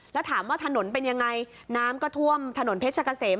แล้วถามว่าถนนเป็นยังไงน้ำก็ท่วมถนนเพชรกะเสม